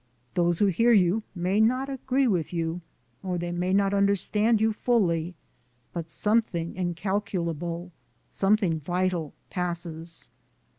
Those who hear you may not agree with you, or they may not understand you fully, but something incalculable, something vital, passes.